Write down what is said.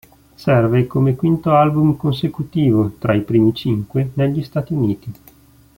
Serve come quinto album consecutivo tra i primi cinque negli Stati Uniti.